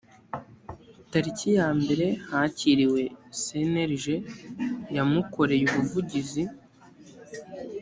tariki ya mbere hakiriwe cnlg yamukoreye ubuvugizi